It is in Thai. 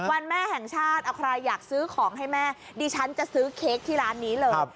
วันแม่แห่งชาติเอาใครอยากซื้อของให้แม่ดิฉันจะซื้อเค้กที่ร้านนี้เลย